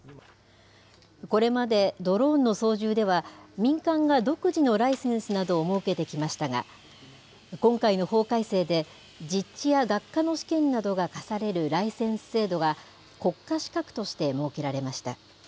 これまでドローンの操縦では、民間が独自のライセンスなどを設けてきましたが、今回の法改正で、実地や学科の試験などが課されるライセンス制度が、国家資格として設けられました。